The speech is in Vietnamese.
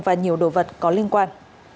và nhiều đồ vật có liên quan